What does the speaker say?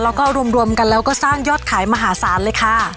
แล้วก็รวมกันแล้วก็สร้างยอดขายมหาศาลเลยค่ะ